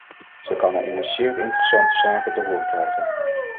Ze kan er immers zeer interessante zaken te horen krijgen.